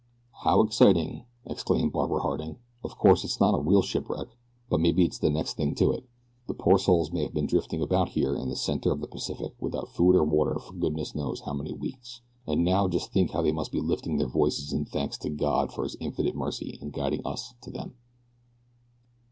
"How exciting," exclaimed Barbara Harding. "Of course it's not a real shipwreck, but maybe it's the next thing to it. The poor souls may have been drifting about here in the center of the Pacific without food or water for goodness knows how many weeks, and now just think how they must be lifting their voices in thanks to God for his infinite mercy in guiding us to them."